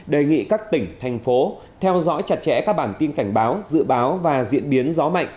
đề nghị các tỉnh thành phố theo dõi chặt chẽ các bản tin cảnh báo dự báo và diễn biến gió mạnh